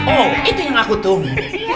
oh itu yang aku tunggu